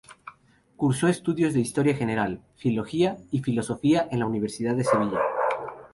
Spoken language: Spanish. Cursó estudios de Historia General, Filología y Filosofía en la Universidad de Sevilla.